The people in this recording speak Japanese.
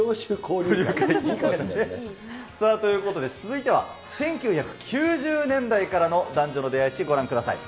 さあ、ということで続いては、１９９０年代からの男女の出会い史、ご覧ください。